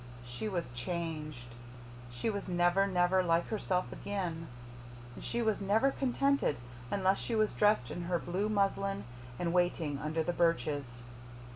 She was CHANGED. She was never, never like herself again; and she was never contented unless she was dressed in her blue muslin and waiting under the birches.